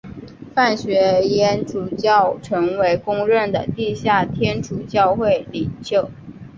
范学淹主教成为公认的地下天主教会领袖。